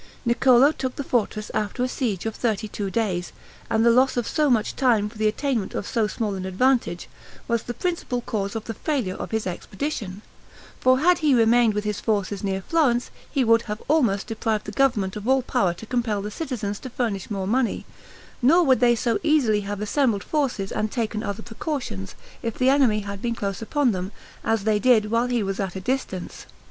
Niccolo took the fortress after a siege of thirty two days; and the loss of so much time, for the attainment of so small an advantage, was the principle cause of the failure of his expedition; for had he remained with his forces near Florence, he would have almost deprived the government of all power to compel the citizens to furnish money: nor would they so easily have assembled forces and taken other precautions, if the enemy had been close upon them, as they did while he was at a distance.